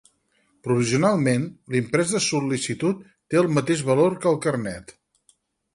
Provisionalment, l'imprès de sol·licitud té el mateix valor que el carnet.